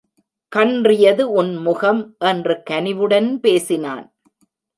கன்றியது உன் முகம் என்று கனிவுடன் பேசினான்.